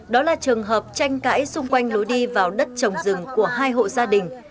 đó là trường hợp tranh cãi xung quanh lối đi vào đất trồng rừng của hai hộ gia đình